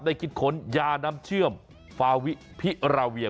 คิดค้นยาน้ำเชื่อมฟาวิพิราเวีย